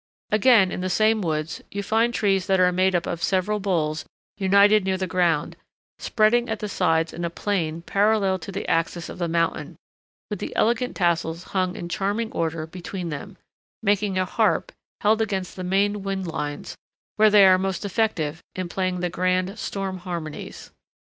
Again in the same woods you find trees that are made up of several boles united near the ground, spreading at the sides in a plane parallel to the axis of the mountain, with the elegant tassels hung in charming order between them, making a harp held against the main wind lines where they are most effective in playing the grand storm harmonies.